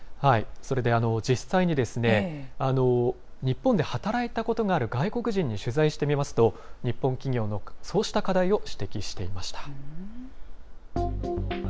それで、実際に日本で働いたことがある外国人に取材してみますと、日本企業のそうした課題を指摘していました。